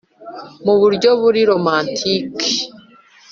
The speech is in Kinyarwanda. mu buryo buri romantiki